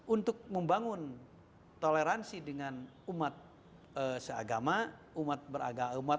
untuk membangun toleransi dengan umat seagama